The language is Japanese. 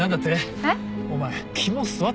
えっ？